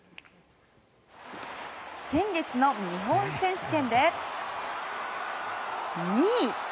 先月の日本選手権で２位。